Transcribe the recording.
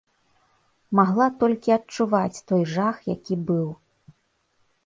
Магла толькі адчуваць той жах, які быў.